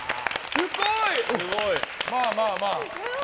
すごい！まあまあまあ。